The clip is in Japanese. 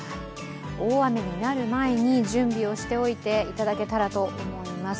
大雨になる前に、準備をしておいていただけたらなと思います。